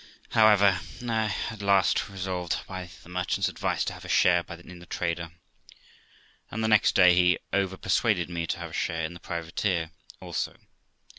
However, I at last resolved, by the merchant's advice, to have a share in the trader, and the next day he overpersuaded me to have a share in the privateer also.